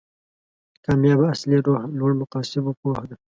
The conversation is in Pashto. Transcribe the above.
کامیابي اصلي روح لوړ مقاصدو پوهه ده.